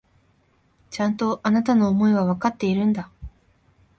ちゃんと、あなたの思いはわかっているんだ。